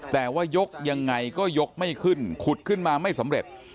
แต่ว่ายกยังไงก็ยกไม่ขึ้นขุดขึ้นมาไม่สำเร็จ